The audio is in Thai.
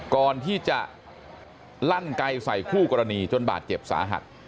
ก่อนที่จะลั่นไกลใส่คู่กรณีจนบาดเจ็บสาหัส